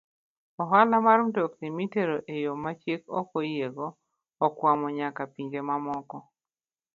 Ohala mar mtokni mitero e yo ma chik ok oyiego okwako nyaka pinje mamoko.